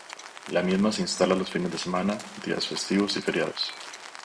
La misma se instala los fines de semana, días festivos y feriados.